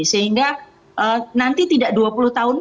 sehingga nanti tidak dua puluh tahun